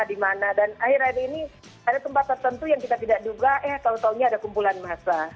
dan akhir akhir ini ada tempat tertentu yang kita tidak duga eh kalau kalanya ada kumpulan masalah